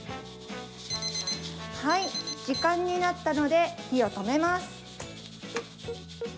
時間になったので火を止めます。